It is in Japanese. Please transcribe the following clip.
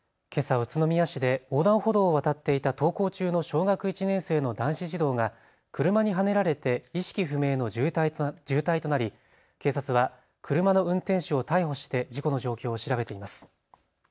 宇都宮市で横断歩道を渡っていた登校中の小学１年生の男子児童が車にはねられて意識不明の重体となり警察は車の運転手を逮捕して事故の状況を調べています。